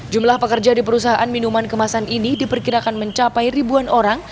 jumlah pekerja di perusahaan minuman kemasan ini diperkirakan mencapai ribuan orang